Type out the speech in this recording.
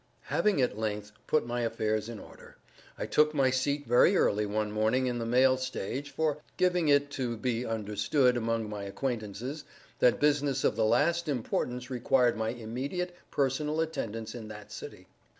Having at length put my affairs in order, I took my seat very early one morning in the mail stage for ——, giving it to be understood, among my acquaintances, that business of the last importance required my immediate personal attendance in that city.